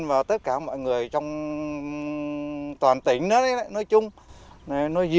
và tất cả mọi người